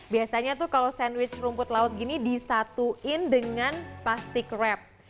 biasanya tuh kalau sandwich rumput laut gini disatuin dengan plastik rap